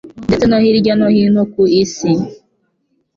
ndetse no hirya no hino ku Isi